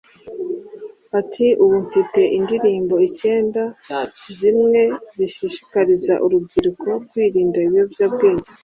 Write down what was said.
Ati“Ubu mfite indirimbo icyenda zimwe zishishikariza urubyiruko kwirinda ibiyobyabwenge